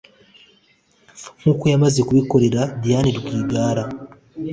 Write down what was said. nk’uko yamaze kubikorera Diane Rwigara